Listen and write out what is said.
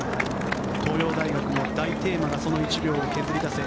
東洋大学の大テーマがその１秒を削り出せ。